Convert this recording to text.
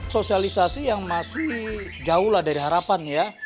sosialisasi yang masih jauh lah dari harapan ya